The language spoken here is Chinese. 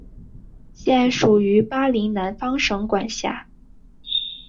现属于巴林南方省管辖。